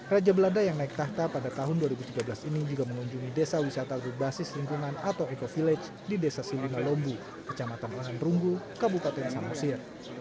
raja belanda yang naik tahta pada tahun dua ribu tiga belas ini juga menunjungi desa wisata berbasis lingkungan atau ecovillage di desa silingalombu kecamatan lintong kabupaten samosir